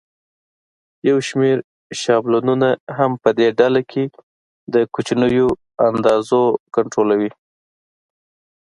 یو شمېر شابلونونه هم په دې ډله کې د کوچنیو اندازو کنټرولوي.